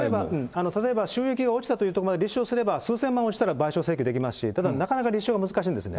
例えば収益が落ちたというところまで立証すれば、数千万落ちたら立証できますし、ただ、なかなか立証は難しいんですね。